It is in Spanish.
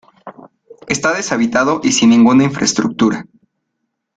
Está deshabitado y sin ninguna infraestructura.